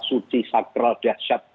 suci sakral dahsyat